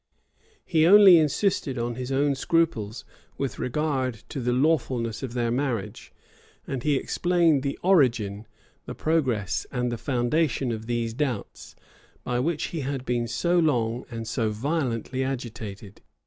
He only insisted on his own scruples with regard to the lawfulness of their marriage; and he explained the origin, the progress, and the foundation of those doubts, by which he had been so long and so violently agitated.